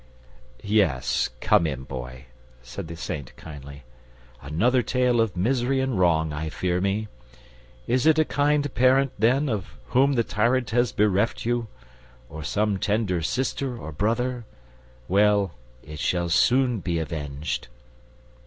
"Yes, come in, Boy," said the Saint kindly. "Another tale of misery and wrong, I fear me. Is it a kind parent, then, of whom the tyrant has bereft you? Or some tender sister or brother? Well, it shall soon be avenged."